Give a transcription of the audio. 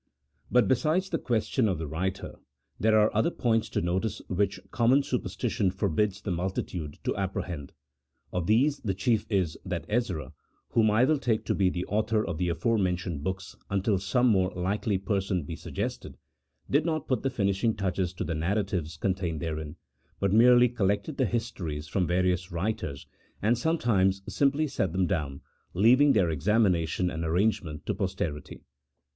But besides the question of the writer, there are other points to notice which common superstition forbids the multitude to apprehend. Of these the chief is, that Ezra (whom I will take to be the author of the afore said books until some more likely person be suggested) did not put the finishing touches to the narratives contained therein, but merely collected the histories from various writers, and sometimes simply set them down, leaving their examination and arrangement to posterity.